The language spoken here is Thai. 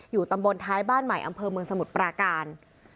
ตำบลท้ายบ้านใหม่อำเภอเมืองสมุทรปราการ